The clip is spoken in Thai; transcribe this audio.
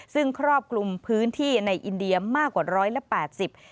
ซึ่งครอบกลุ่มพื้นที่ในอินเดียมากกว่า๑๘๐บาท